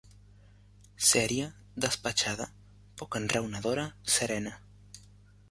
Seria, despatxada, poc enraonadora, serena